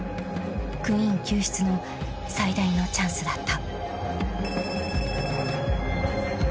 ［クイン救出の最大のチャンスだった］